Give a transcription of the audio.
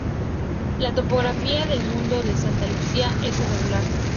La topografía del Municipio de Santa Lucía es irregular.